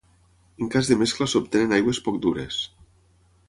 En cas de mescla s'obtenen aigües poc dures.